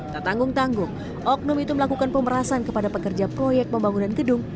tak tanggung tanggung oknum itu melakukan pemerasan kepada pekerja proyek pembangunan gedung